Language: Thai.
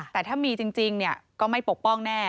แต่ถ้ามีจริงก็ไม่ปกป้องแน่